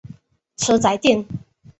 车仔电。